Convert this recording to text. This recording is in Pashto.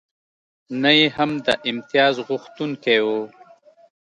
نه یې هم د امتیازغوښتونکی و.